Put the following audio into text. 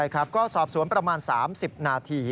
ก็สอบสวนประมาณ๓๐นาที